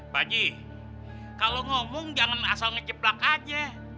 pak ji kalau ngomong jangan asal ngeceplak aja